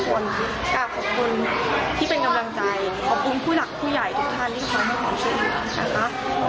ขอบคุณที่เป็นกำลังใจขอบคุณผู้หลักผู้ใหญ่ทุกท่านที่ทำให้ความช่วยเหลือนะคะ